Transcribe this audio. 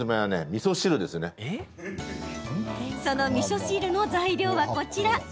その、みそ汁の材料はこちら。